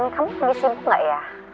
kamu lagi sibuk gak ya